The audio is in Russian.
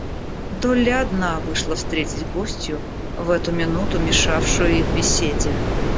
Долли одна вышла встретить гостью, в эту минуту мешавшую их беседе.